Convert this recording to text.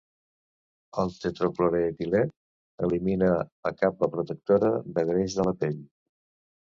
El tetracloroetilè elimina la capa protectora de greix de la pell.